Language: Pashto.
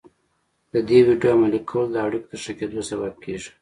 د دې ويډيو عملي کول د اړيکو د ښه کېدو سبب کېږي.